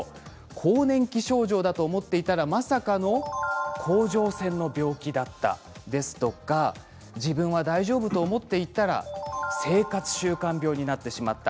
更年期症状だと思っていたらまさかの甲状腺の病気だったですとか自分は大丈夫と思っていたら生活習慣病になってしまった。